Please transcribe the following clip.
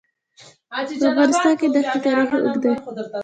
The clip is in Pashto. په افغانستان کې د ښتې تاریخ اوږد دی.